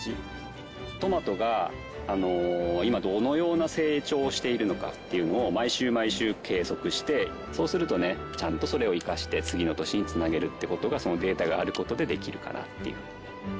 トマトが今どのような成長をしているのかっていうのを毎週毎週計測してそうするとねちゃんとそれを生かして次の年に繋げるっていう事がそのデータがある事でできるかなっていう。